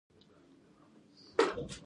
لوکس ژوند ته مخه کول اقتصاد خرابوي.